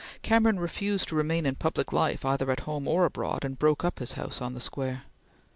Cameron refused to remain in public life either at home or abroad, and broke up his house on the Square.